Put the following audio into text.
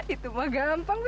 itu mah gampang mbak